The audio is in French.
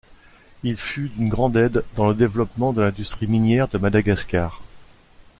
Il fut d'une grande aide dans le développement de l'industrie minière de Madagascar.